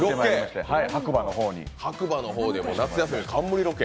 白馬で夏休みに冠ロケ。